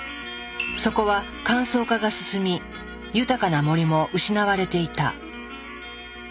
そこは乾燥化が進み豊かな森も失われていた。